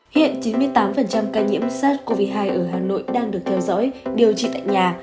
hiện chín mươi tám ca nhiễm sars cov hai ở hà nội đang được theo dõi điều trị tại nhà